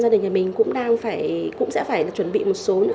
bản thân gia đình nhà mình cũng sẽ phải chuẩn bị một số kế hoạch